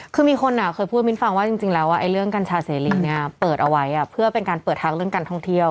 คือมีคนเคยพูดมิ้นฟังว่าจริงแล้วเรื่องกัญชาเสรีเนี่ยเปิดเอาไว้เพื่อเป็นการเปิดทางเรื่องการท่องเที่ยว